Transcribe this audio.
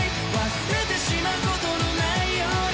忘れてしまう事のないように」